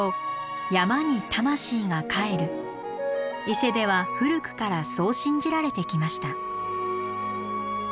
伊勢では古くからそう信じられてきました。